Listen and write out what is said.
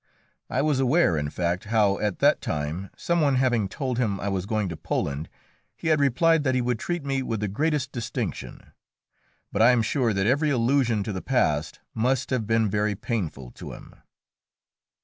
I was aware, in fact, how at that time, some one having told him I was going to Poland, he had replied that he would treat me with the greatest distinction. But I am sure that every allusion to the past must have been very painful to him.